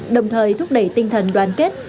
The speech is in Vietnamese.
đồng thời thúc đẩy tinh thần đoàn kết